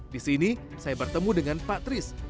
di sini saya bertemu dengan pak tris